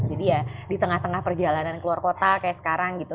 jadi ya di tengah tengah perjalanan keluar kota kayak sekarang gitu